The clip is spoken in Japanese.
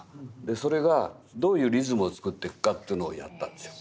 それがどういうリズムを作っていくかというのをやったんですよ。